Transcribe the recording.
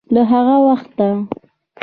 له هغه وخته